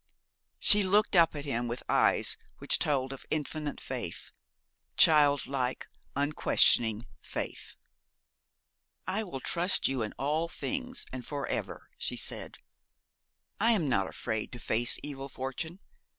She looked up at him with eyes which told of infinite faith, child like, unquestioning faith. 'I will trust you in all things, and for ever,' she said. 'I am not afraid to face evil fortune.